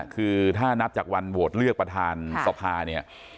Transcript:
คือถ้านับจากวันโหวตเลือกประธานสภาเนี่ย